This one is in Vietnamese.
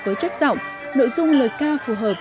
với chất giọng nội dung lời ca phù hợp